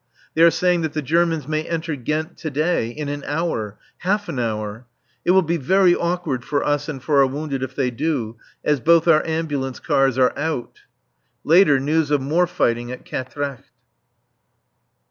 They are saying that the Germans may enter Ghent to day, in an hour half an hour! It will be very awkward for us and for our wounded if they do, as both our ambulance cars are out. Later news of more fighting at Quatrecht.